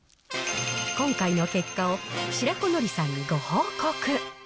今回の結果を白子のりさんにご報告。